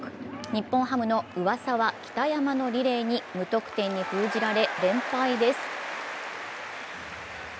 日本ハムの上沢・北山のリレーに無得点に封じられ連敗です。